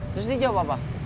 terus dia jawab apa